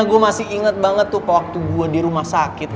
gue masih inget banget tuh waktu gue di rumah sakit